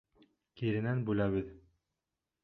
Киренән бүләбеҙ!